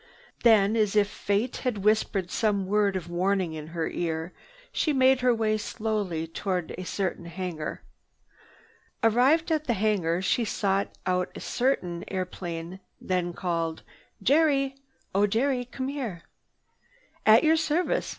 Then, as if Fate had whispered some word of warning in her ear, she made her way slowly toward a certain hangar. Arrived at the hangar she sought out a certain airplane, then called: "Jerry! Oh Jerry! Come here!" "At your service!"